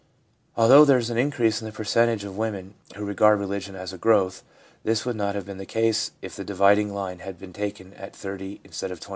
ADULT LIFE— BELIEFS 319 Although there is an increase in the percentage of women who regard religion as a growth, this would not have been the case if the dividing line had been taken at 30 instead of 24.